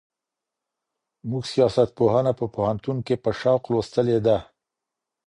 موږ سياست پوهنه په پوهنتون کي په شوق لوستلې ده.